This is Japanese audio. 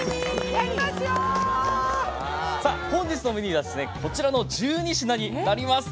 本日のメニューはこちらの１２品になります。